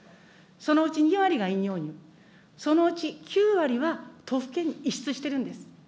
そのうち２割が飲用牛、そのうち９割は都府県に移出してるんです。